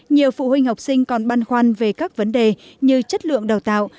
nhiều phụ huynh học sinh còn băn khoăn về các vấn đề như chất lượng đào tạo